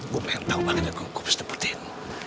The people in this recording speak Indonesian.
gua pengen tahu banget yang gua harus tebutin